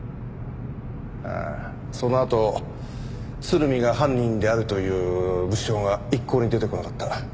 ああそのあと鶴見が犯人であるという物証が一向に出てこなかった。